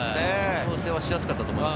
調整しやすかったと思います。